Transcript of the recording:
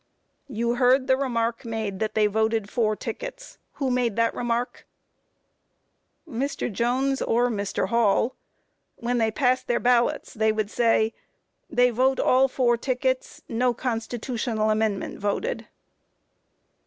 Q. You heard the remark made that they voted four tickets; who made that remark? A. Mr. Jones or Mr. Hall; when they passed their ballots they would say, "They vote all four tickets; no Constitutional Amendment voted."